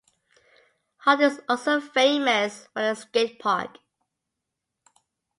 Hard is also famous for the skatepark.